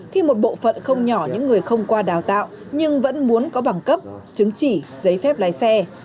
khi một bộ phận không nhỏ những người không qua đào tạo nhưng vẫn muốn có bằng cấp chứng chỉ giấy phép lái xe